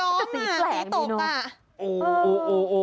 งูไม่ใช่ผ้าย้อมสีตกน่ะ